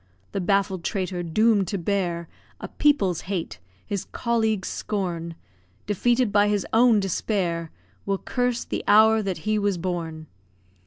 The baffled traitor, doomed to bear A people's hate, his colleagues' scorn, Defeated by his own despair, Will curse the hour that he was born!